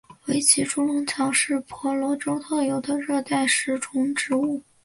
维奇猪笼草是婆罗洲特有的热带食虫植物。